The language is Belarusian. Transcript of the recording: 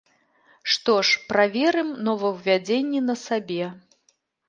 Што ж, праверым новаўвядзенні на сабе.